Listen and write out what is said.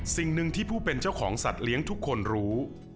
สิ่งหนึ่งที่ผู้เป็นเจ้าของสัตว์เลี้ยงทุกคนรู้